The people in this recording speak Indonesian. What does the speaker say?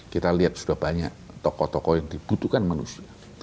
kita lihat sudah banyak tokoh tokoh yang dibutuhkan manusia